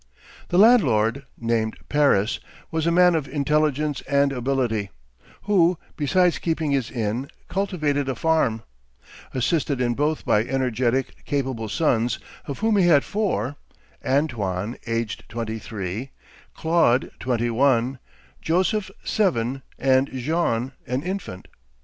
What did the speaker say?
The landlord, named Paris, was a man of intelligence and ability, who, besides keeping his inn, cultivated a farm; assisted in both by energetic, capable sons, of whom he had four: Antoine, aged twenty three; Claude, twenty one; Joseph, seven; and Jean, an infant.